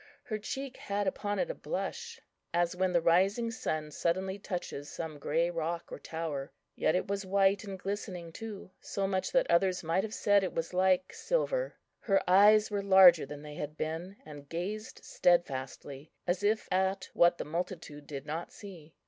Her cheek had upon it a blush, as when the rising sun suddenly touches some grey rock or tower yet it was white and glistening too, so much so that others might have said it was like silver. Her eyes were larger than they had been, and gazed steadfastly, as if at what the multitude did not see.